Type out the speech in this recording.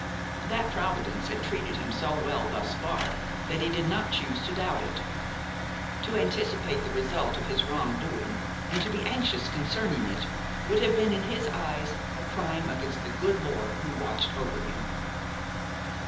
That providence had treated him so well thus far that he did not choose to doubt it. To anticipate the result of his wrong doing and to be anxious concerning it would have been in his eyes a crime against the good Lord who watched over him.